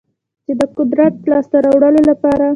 چې د قدرت لاسته راوړلو لپاره